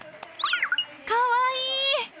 かわいい！